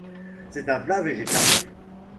C'est un plat végétarien.